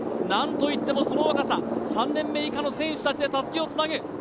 なんといってもその若さ、３年目の以下の選手たちでたすきをつなぐ。